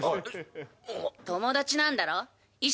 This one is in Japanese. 友達なんだろ？